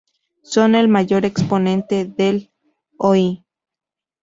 Son el mayor exponente del Oi!